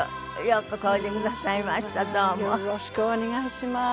よろしくお願いします。